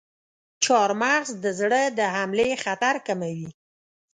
چارمغز د زړه د حملې خطر کموي.